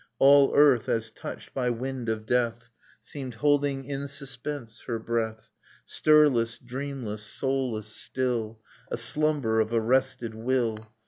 All earth, as touched by wind of death. Seemed holding in suspense her breath, Stirless, dreamless, soulless, still, A slumber of arrested will.